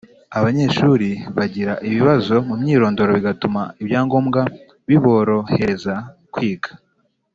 Abanyeshuri bagira ibibazo mu myirondoro bigatuma ibyangombwa biborohereza kwiga